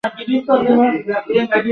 আমি আমার সৌভাগ্যের জীবন হারানোর ভয়ে ছিলাম।